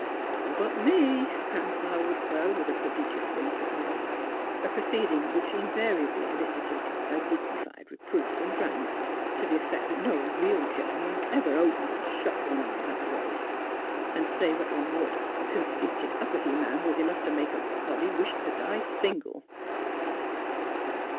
*' All but me," Grandpa would crow, with a THE ORNES 89 prodigious wink at Milly. A proceeding which invariably elicited a dignified reproof from Grandma, to the effect that no reel gen '1 'man ever opened and shut one eye that a way; and, say what one would, a conceited, uppity man was enough to make a body wish t' die single.